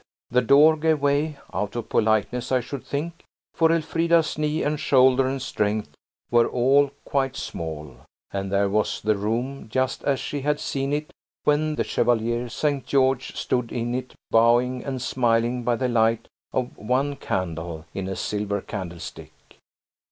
The door gave way–out of politeness, I should think, for Elfrida's knee and shoulder and strength were all quite small–and there was the room just as she had seen it when the Chevalier St. George stood in it bowing and smiling by the light of one candle in a silver candlestick.